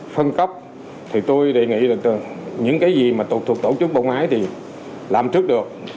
phân cấp thì tôi đề nghị là những cái gì mà thuộc tổ chức bộ máy thì làm trước được